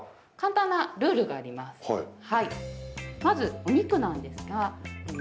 まずお肉なんですが２００ｇ。